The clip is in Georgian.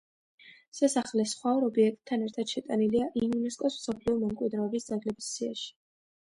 სასახლე სხვა ორ ობიექტთან ერთად შეტანილია იუნესკოს მსოფლიო მემკვიდრეობის ძეგლების სიაში.